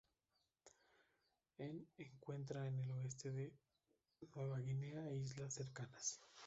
En encuentra en el oeste de Nueva Guinea e islas cercanas.